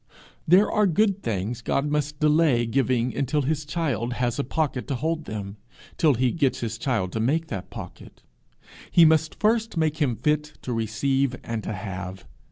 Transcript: There are good things God must delay giving until his child has a pocket to hold them till he gets his child to make that pocket. He must first make him fit to receive and to have.